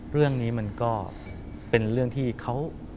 เรื่องนี้มันก็เป็นเรื่องที่เขา